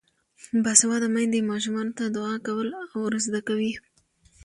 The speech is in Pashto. باسواده میندې ماشومانو ته دعا کول ور زده کوي.